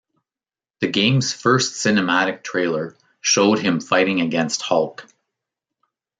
The game's first cinematic trailer showed him fighting against Hulk.